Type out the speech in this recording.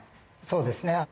そうですね。